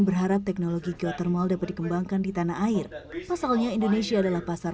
berharap teknologi geotermal dapat dikembangkan di tanah air pasalnya indonesia adalah pasar